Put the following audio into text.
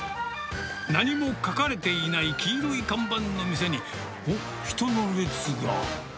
何も書かれていない黄色い看板の店に、おっ、人の列が。